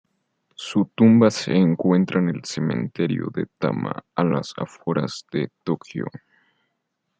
Su tumba se encuentra en el Cementerio de Tama, a las afueras de Tokio.